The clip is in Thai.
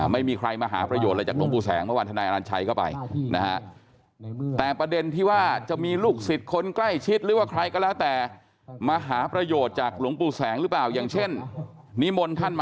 ไม่มีใครมาหาประโยชน์อะไรจากหลงปู่แสงเมื่อวานทน